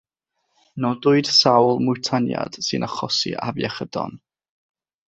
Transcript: Nodwyd sawl mwtaniad sy'n achosi afiechydon.